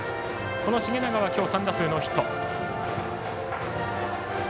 この繁永は今日３打数ノーヒット。